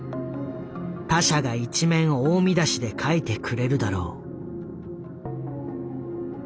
他社が一面大見出しで書いてくれるだろう」。